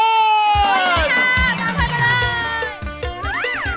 ขอบคุณค่ะตามให้ไปเลย